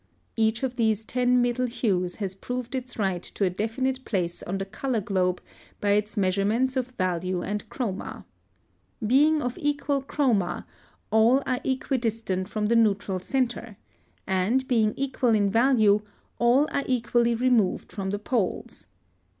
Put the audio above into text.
Each of these ten middle hues has proved its right to a definite place on the color globe by its measurements of value and chroma. Being of equal chroma, all are equidistant from the neutral centre, and, being equal in value, all are equally removed from the poles.